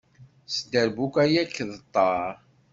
S dderbuka yak d ṭṭar